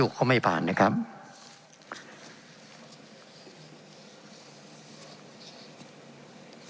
เป็นของสมาชิกสภาพภูมิแทนรัฐรนดร